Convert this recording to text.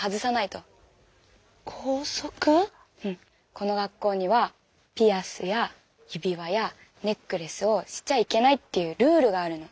この学校にはピアスや指輪やネックレスをしちゃいけないっていうルールがあるの。